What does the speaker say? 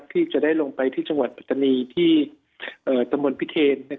ที่จะได้ลงไปที่จังหวัดปัตตานีที่ตำบลพิเทน